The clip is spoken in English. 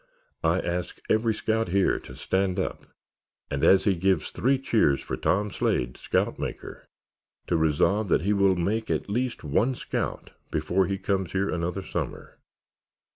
I ask every scout here to stand up and as he gives three cheers for Tom Slade, scout maker, to resolve that he will make at least one scout before he comes here another summer.